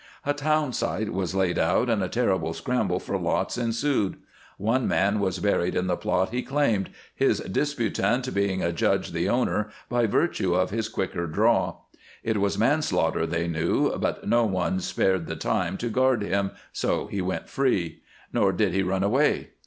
A town site was laid out and a terrible scramble for lots ensued. One man was buried in the plot he claimed, his disputant being adjudged the owner by virtue of his quicker draw. It was manslaughter, they knew, but no one spared the time to guard him, so he went free. Nor did he run away.